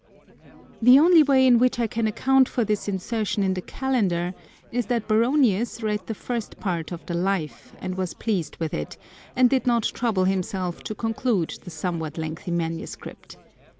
The only way in which I can account for this insertion in the Calendar is that Baronius read the first part of the iy^, and was pleased with it, and did not trouble himself to conclude the somewhat lengthy manuscript.